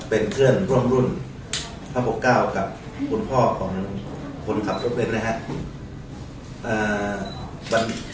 เป็นเพื่อนร่วมรุ่นพระปกเก้ากับคุณพ่อของคนขับรถเบ้นนะครับ